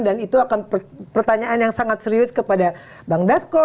dan itu akan pertanyaan yang sangat serius kepada bang dasko